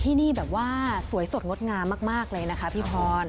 ที่นี่แบบว่าสวยสดงดงามมากเลยนะคะพี่พร